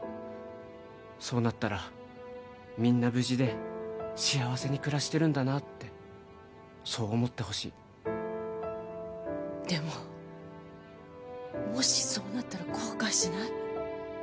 そうなったらみんな無事で幸せに暮らしてるんだなってそう思ってほしいでももしそうなったら後悔しない？